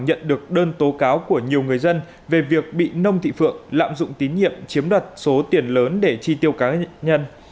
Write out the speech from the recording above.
nhận được đơn tố cáo của nhiều người dân về việc bị nông thị phượng lạm dụng tín nhiệm chiếm đoạt số tiền lớn để chi tiêu cá nhân